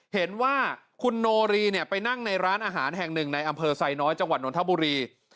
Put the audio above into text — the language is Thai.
เห็นว่าคุณโนรีเนี่ยไปนั่งในร้านอาหารแห่งหนึ่งในอำเภอไซน้อยจังหวัดนทบุรี